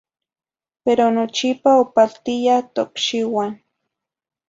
Pero nochipa opaltiya tocxiuan.